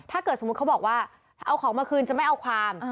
ถ้าเกิดสมมุติเขาบอกว่าเอาของมาคืนจะไม่เอาความ